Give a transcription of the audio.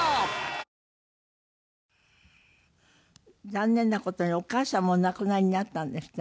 残念な事にお母さんもお亡くなりになったんですってね。